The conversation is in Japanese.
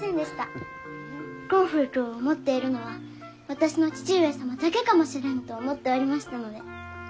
コンフェイトを持っているのは私の父上様だけかもしれぬと思っておりましたので。